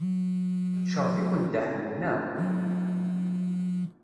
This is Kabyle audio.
Yecɣeb-iken Dda Ḥemmu, naɣ?